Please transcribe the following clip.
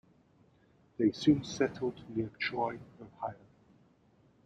They soon settled near Troy, Ohio.